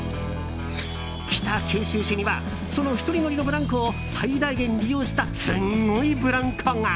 北九州市にはその１人乗りのブランコを最大限利用したすんごいブランコが。